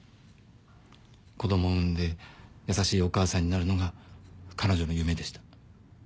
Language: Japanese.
子供を産んで優しいお母さんになるのが彼女の夢でした。